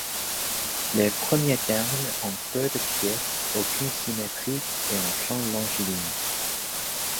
Les premiers thermes ont peu de pièces, aucune symétrie et un plan longiligne.